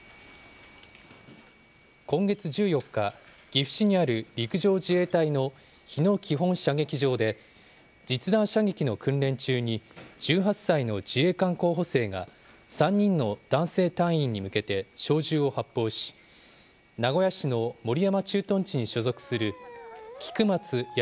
今月１４日、岐阜市にある陸上自衛隊の日野基本射撃場で、実弾射撃の訓練中に１８歳の自衛官候補生が、３人の男性隊員に向けて小銃を発砲し、名古屋市の守山駐屯地に所属する菊松安